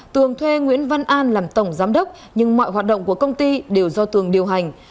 tường thuê nguyễn văn an làm tổng giám đốc nhưng mọi hoạt động của công ty đều do tường điều hành